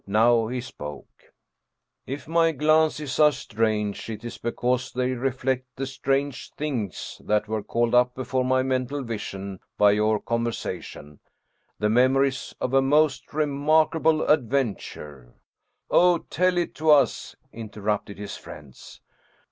Now he spoke :" If my glances are strange it is because they reflect the strange things that were called up before my mental vision by your conversation, the memories of a most remarkable adventure "" Oh, tell it to us," interrupted his friends.